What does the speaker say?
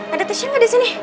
ada tasya gak disini